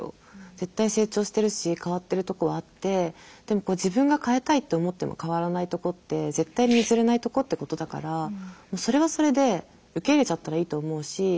絶対成長してるし変わってるとこはあってでも自分が変えたいって思っても変わらないとこって絶対に譲れないとこってことだからもうそれはそれで受け入れちゃったらいいと思うし。